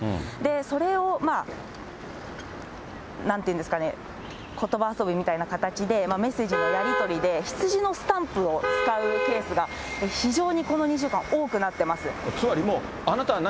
それをなんていうんですかね、ことば遊びみたいな形で、メッセージのやり取りで羊のスタンプを使うケースが非常にこの２つまりもう、あなたは何？